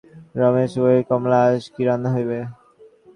রমেশ কহিল, কমলা, আজ কী রান্না হইবে?